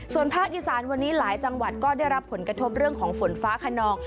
ส่วนภาคอีสานวันนี้หลายจังหวัดก็ได้รับผลกระทบเรื่องของฝนฟ้าขนอง